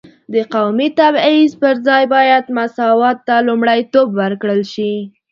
د قومي تبعیض پر ځای باید مساوات ته لومړیتوب ورکړل شي.